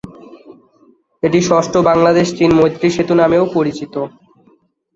এটি ষষ্ঠ বাংলাদেশ-চীন মৈত্রী সেতু নামেও পরিচিত।